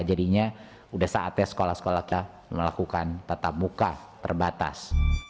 jadinya sudah saatnya sekolah sekolah melakukan tatap muka terbatas